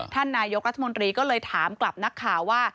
ท่านนายกรัฐมนตรีก็เลยถามกลับนักข่าวว่า